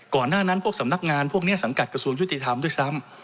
หน้านั้นพวกสำนักงานพวกนี้สังกัดกระทรวงยุติธรรมด้วยซ้ำ